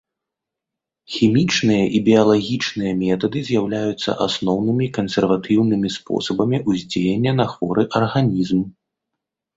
Хімічныя і біялагічныя метады з'яўляюцца асноўнымі кансерватыўнымі спосабамі ўздзеяння на хворы арганізм.